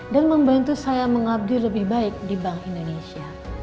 dan membantu saya mengabdi lebih baik di bank indonesia